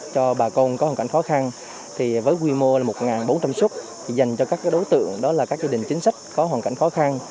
cho bà con có hoàn cảnh khó khăn